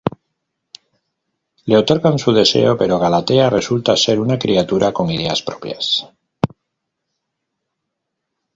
Le otorgan su deseo, pero Galatea resulta ser una criatura con ideas propias.